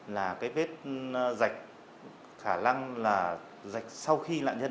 là cái vết sạch khả năng là sạch sau khi nạn nhân